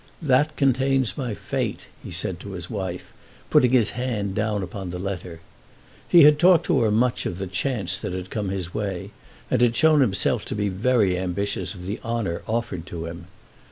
"That contains my fate," he said to his wife, putting his hand down upon the letter. He had talked to her much of the chance that had come in his way, and had shown himself to be very ambitious of the honour offered to him.